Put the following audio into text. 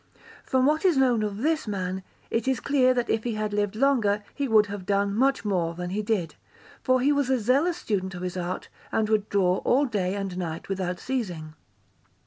From what is known of this man, it is clear that if he had lived longer he would have done much more than he did, for he was a zealous student of his art, and would draw all day and night without ceasing.